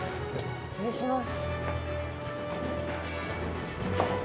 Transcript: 失礼します。